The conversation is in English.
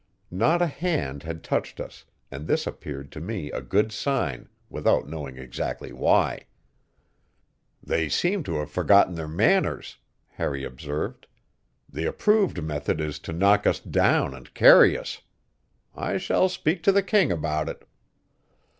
Not a hand had touched us, and this appeared to me a good sign, without knowing exactly why. "They seem to have forgotten their manners," Harry observed. "The approved method is to knock us down and carry us. I shall speak to the king about it."